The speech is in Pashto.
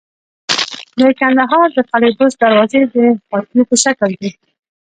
د کندهار د قلعه بست دروازې د هاتیو په شکل وې